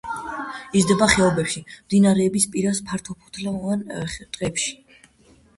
იზრდება ხეობებში, მდინარეების პირას ფართოფოთლოვან ტყეებში.